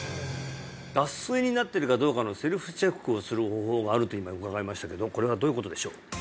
脱水になってるかどうかのセルフチェックをする方法があると今伺いましたけどこれはどういうことでしょう？